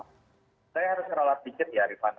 saya harus neralat sedikit ya rifat